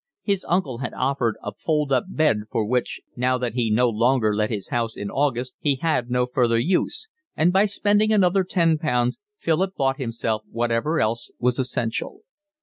His uncle had offered a fold up bed for which, now that he no longer let his house in August, he had no further use; and by spending another ten pounds Philip bought himself whatever else was essential.